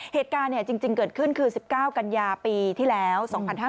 เหตุการณ์จริงเกิดขึ้นคือ๑๙กันยาปีที่แล้ว๒๕๕๙